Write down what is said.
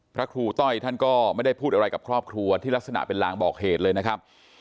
พระครูต้อยท่านก็ไม่ได้พูดอะไรกับครอบครัวที่ลักษณะเป็นลางบอกเหตุเลยนะครับ